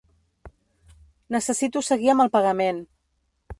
Necessito seguir amb el pagament.